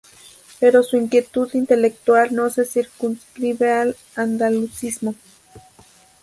Pero su inquietud intelectual no se circunscribe al andalucismo.